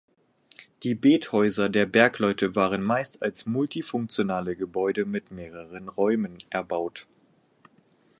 Die Bethäuser der Bergleute waren meist als multifunktionale Gebäude mit mehreren Räumen erbaut.